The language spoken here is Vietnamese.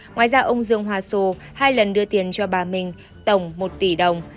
ngoài ra ông dương hòa sô hai lần đưa tiền cho bà minh tổng một tỷ đồng